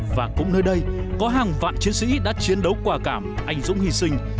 và cũng nơi đây có hàng vạn chiến sĩ đã chiến đấu quả cảm anh dũng hy sinh